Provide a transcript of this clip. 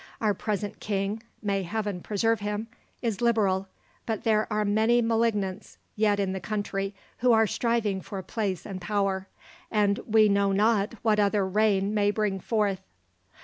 Our present king may Heaven preserve him! is liberal, but there are many malignants yet in the country who are striving for place and power, and we know not what another reign may bring forth.